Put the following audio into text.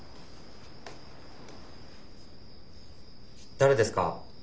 誰ですか？